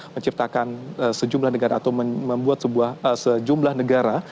menciptakan sejumlah negara atau membuat sejumlah negara